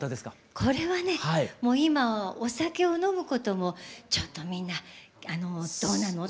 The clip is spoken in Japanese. これはねもう今お酒を飲むこともちょっとみんなどうなのって。